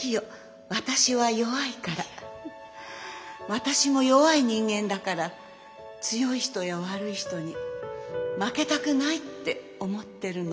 私も弱い人間だから強い人や悪い人に負けたくないって思ってるの。